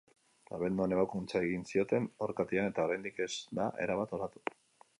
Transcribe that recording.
Abenduan ebakuntza egin zioten orkatilan eta oraindik ez da erabat osatu.